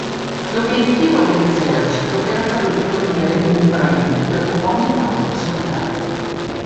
L'obiettivo dell'esercito era quello di fornire un Bren per ogni quattro soldati.